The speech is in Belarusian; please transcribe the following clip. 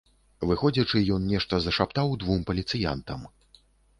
Выходзячы, ён нешта зашаптаў двум паліцыянтам.